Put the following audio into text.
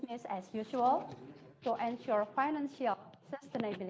ya saya dapat mendengar anda dengan sangat baik